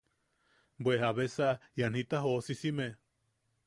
–¿Bwe jabesa ian jita joosisimne?